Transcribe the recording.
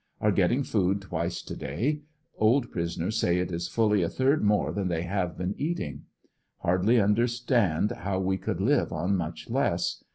Are getting food twice to day; old prisoners say it is fully a third more than they have been getting. Hardly understand how we could live on much less.